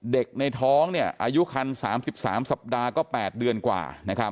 เด็กในท้องอายุคัน๓๓สัปดาห์ก็๘เดือนกว่า